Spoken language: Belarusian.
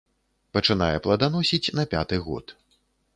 Пачынае пладаносіць на пяты год.